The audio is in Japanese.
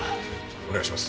お願いします。